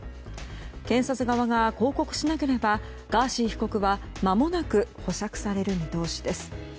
検察側が抗告しなければガーシー被告はまもなく保釈される見通しです。